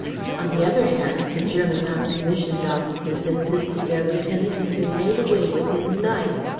On the other hand the German non commissioned officers insisted their lieutenant had been made away with in the night.